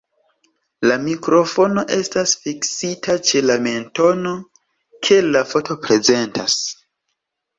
La mikrofono estas fiksita ĉe la mentono, kiel la foto prezentas.